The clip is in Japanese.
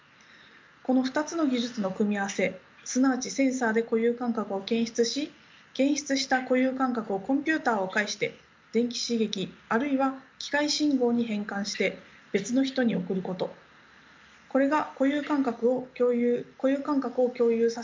この２つの技術の組み合わせすなわちセンサーで固有感覚を検出し検出した固有感覚をコンピューターを介して電気刺激あるいは機械信号に変換して別の人に送ることこれが固有感覚を共有させる手法となります。